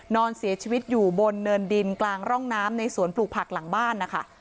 นอนเสียชีวิตอยู่บนเนินดินกลางร่องน้ำในสวนปลูกผักหลังบ้านนะคะ